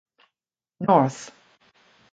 North.